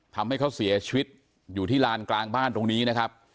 ทำให้เขาเสียชีวิตอยู่ที่ลานกลางบ้านตรงนี้นะครับ